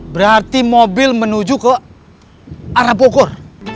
berarti mobil menuju ke arah bogor